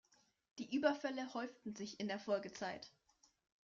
Die Überfälle häuften sich in der Folgezeit.